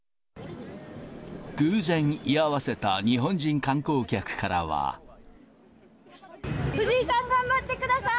偶然、居合わせた日本人観光藤井さん、頑張ってください！